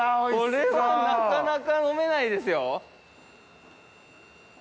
これはなかなか飲めないですよ。